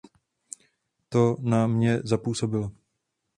To na mě zapůsobilo.